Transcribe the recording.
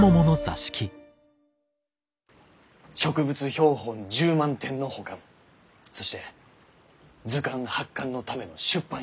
植物標本１０万点の保管そして図鑑発刊のための出版費用